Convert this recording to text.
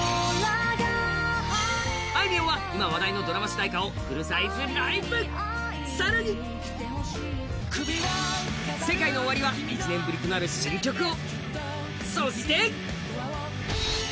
あいみょんは今話題のドラマ主題歌をフルサイズ披露更に、ＳＥＫＡＩＮＯＯＷＡＲＩは１年ぶりとなる新曲を！